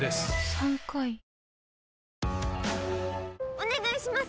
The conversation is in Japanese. お願いします！